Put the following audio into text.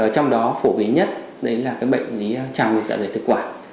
trong đó phổ biến nhất là bệnh chảu ngược dạ dày thực quản